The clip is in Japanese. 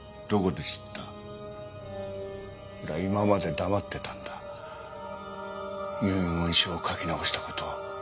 俺は今まで黙ってたんだ遺言書を書き直した事を。